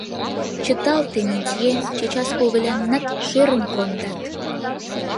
— Чыталте, Минтье, чечас когыляннат шӧрым кондат!